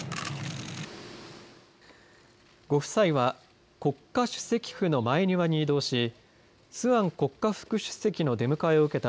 ご夫妻は国家主席府の前庭に移動しスアン国家副主席の出迎えを受けた